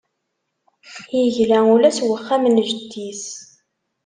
Yegla ula s uxxam n jeddi-s.